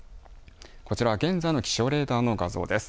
こちらは現在の気象レーダーの画像です。